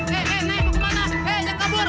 hei naik kemana jangan kabur